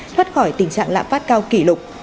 thoát khỏi tình trạng lạm phát cao kỷ lục